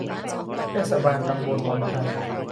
เทศบาลตำบลวังชัย